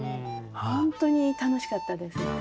本当に楽しかったです。